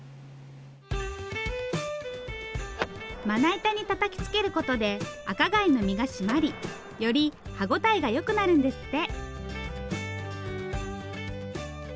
まな板にたたきつけることで赤貝の身が締まりより歯応えが良くなるんですって。